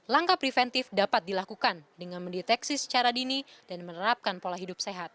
langkah preventif dapat dilakukan dengan mendeteksi secara dini dan menerapkan pola hidup sehat